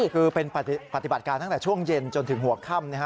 คือเป็นปฏิบัติการตั้งแต่ช่วงเย็นจนถึงหัวค่ำ